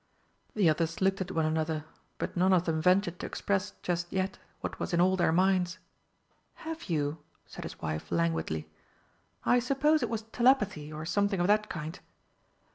The others looked at one another, but none of them ventured to express just yet what was in all their minds. "Have you?" said his wife languidly. "I suppose it was telepathy or something of that kind.